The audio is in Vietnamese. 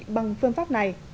bằng phương pháp này